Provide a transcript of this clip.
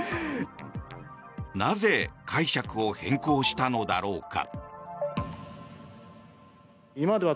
なぜ、解釈を変更したのだろうか。